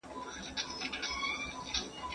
ما به خپل فکــــــر له اکثر پخپله ډاډ ورکــــوؤ